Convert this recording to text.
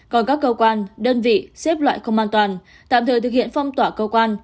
còn các cơ quan đơn vị xếp loại không an toàn tạm thời thực hiện phong tỏa cơ quan